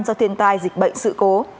do thiên tai dịch bệnh sự cố